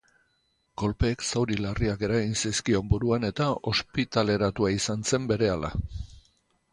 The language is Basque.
Kolpeek zauri larriak eragin zizkion buruan eta ospitaleratua izan zen berehala.